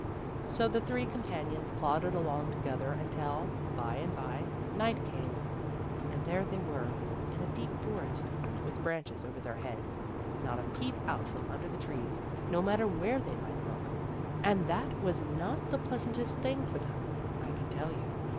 So the three companions plodded along together until, by and by, night came, and there they were, in a deep forest, with branches over their heads and not a peep out from under the trees, no matter where they might look ; and that was not the pleasantest thing for them, I can tell you.